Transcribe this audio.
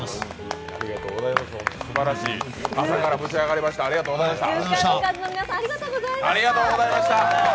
すばらしい、朝からブチ上がりました、ありがとうございました。